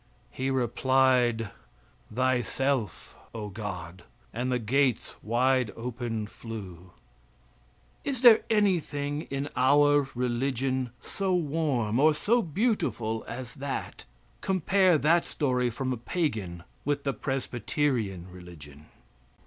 He replied "Thyself, O God;" and the gates wide open flew. Is there anything in our religion so warm or so beautiful as that? Compare that story from a pagan with the Presbyterian religion.